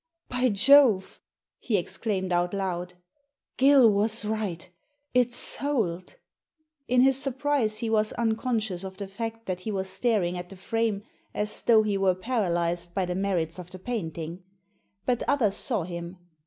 "By Jove!" he exclaimed out loud. *'Gill was right; it's sold." In his surprise he was unconscious of the fact that he was staring at the frame as though he were paralysed by the merits of the painting. But others saw him.